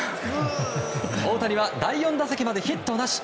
大谷は第４打席までヒットなし。